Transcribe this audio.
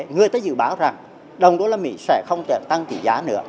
người ta dự báo rằng đồng đô la mỹ sẽ không thể tăng tỷ giá nữa